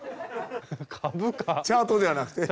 チャートではなくて。